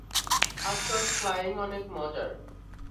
আজকাল ফ্লাইং অনেক মজার।